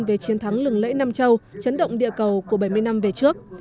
về chiến thắng lừng lẫy nam châu chấn động địa cầu của bảy mươi năm về trước